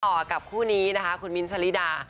ต่อกับคู่นี้นะคะคุณมิ้นท์ชะลิดา